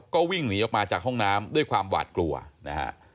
ก็วิ่งหนีออกมาจากห้องน้ำด้วยความหวาดกลัวนะฮะ